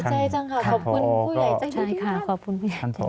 ดีใจจังค่ะขอบคุณผู้ใหญ่ใจดีของท่าน